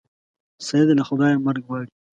سید له خدایه مرګ غواړي.